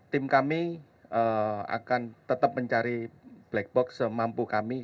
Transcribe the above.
tim kami akan tetap mencari black box semampu kami